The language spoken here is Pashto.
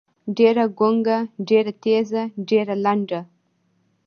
ډېــره ګونګــــــه، ډېــره تېــزه، ډېــره لنډه.